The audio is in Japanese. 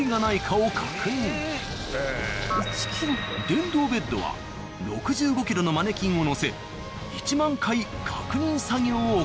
電動ベッドは６５ｋｇのマネキンをのせ１万回確認作業を行っている。